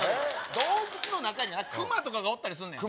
洞窟の中には熊とかがおったりすんねん。